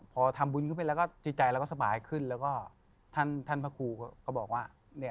พอทำบุญขึ้นไปแล้วก็จิตใจเราก็สบายขึ้นแล้วก็ท่านพระครูก็บอกว่า